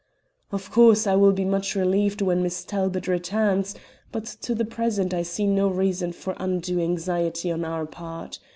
Of course I will be much relieved when Miss Talbot returns, but up to the present I see no reason for undue anxiety on our part.